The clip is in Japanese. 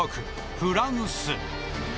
フランス。